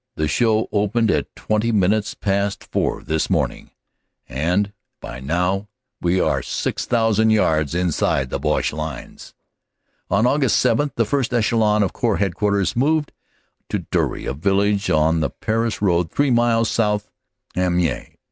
"The show opened at twenty minutes past four this morning and by now we are 6,000 yards inside the Boche lines," On Aug. 7 the first echelon of Corps Headquarters moved to Dury, a village on the Paris road three miles south of Amiens.